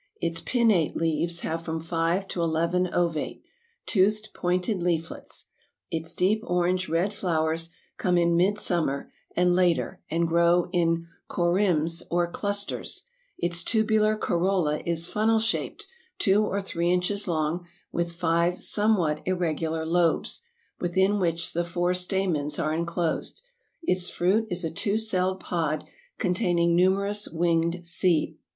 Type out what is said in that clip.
Its pinnate leaves have from five to eleven ovate, toothed pointed leaflets. Its deep orange red flowers come in midsummer and later and grow in corymbs or clusters; its tubular corolla is funnel shaped, two or three inches long, with five somewhat irregular lobes, within which the four stamens are enclosed; its fruit is a two celled pod, containing numerous winged seed.